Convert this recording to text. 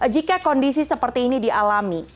jika kondisi seperti ini di alami